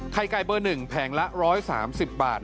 ไข่ไก่เบอร์๑แผงละ๑๓๐บาท